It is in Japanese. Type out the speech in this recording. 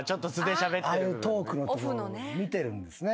ああいうトークの見てるんですね。